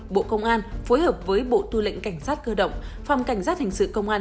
bộ công an phối hợp với bộ tư lệnh cảnh sát cơ động phòng cảnh sát hình sự công an